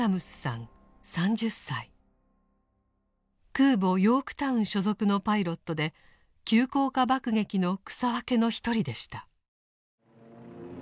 空母「ヨークタウン」所属のパイロットで急降下爆撃の草分けの一人でした。